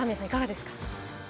いかがですか。